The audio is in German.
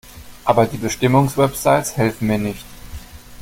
Aber die Bestimmungswebsites helfen mir nicht.